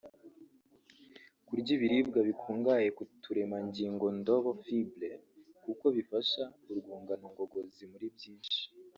Kurya ibiribwa bikungahaye ku turemangingondodo (Fibres) kuko bifasha urwungano ngogozi muri byinshi